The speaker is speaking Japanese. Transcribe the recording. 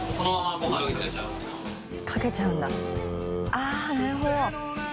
あぁなるほど。